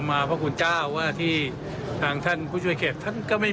แต่จริงแล้วเนี่ย